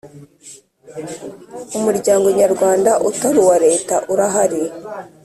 Umuryango nyarwanda utari uwa Leta urahari.